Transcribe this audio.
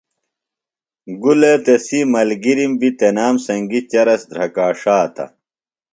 گُلے تسی ملگِرِم بیۡ تنام سنگیۡ چرس دھرکا ݜاتہ۔